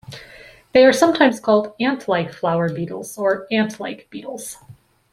They are sometimes called ant-like flower beetles or ant-like beetles.